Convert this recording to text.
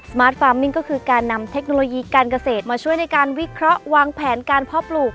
มาร์ทฟาร์มมิ่งก็คือการนำเทคโนโลยีการเกษตรมาช่วยในการวิเคราะห์วางแผนการเพาะปลูก